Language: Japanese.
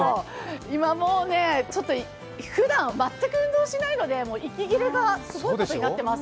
今、もうね、ふだん全く運動しないので、息切れがすごいことになっています。